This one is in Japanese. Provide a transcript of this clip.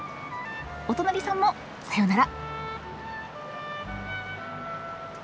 お隣さんもさようなら。